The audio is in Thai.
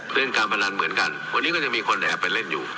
เล่นการพนันเหมือนกันวันนี้ก็จะมีคนแอบไปเล่นอยู่